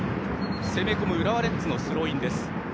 攻め込む浦和レッズのスローインです。